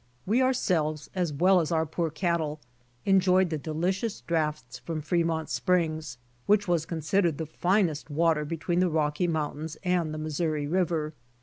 We ourselves as well as our poor cat tle enjoyed the delicious draughts from Fremont springs, which was considered the finest water be tween the Rocky, mountains and the Missouri river.